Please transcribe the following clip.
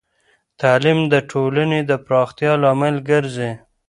تعلیم د ټولنې د پراختیا لامل ګرځی.